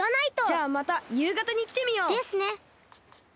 じゃあまたゆうがたにきてみよう。ですね。